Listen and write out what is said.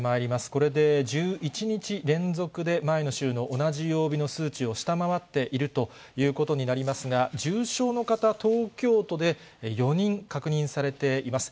これで１１日連続で前の週の同じ曜日の数値を下回っているということになりますが、重症の方、東京都で４人確認されています。